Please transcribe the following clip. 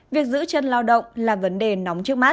việc giữ chân lao động là vấn đề nóng trước mắt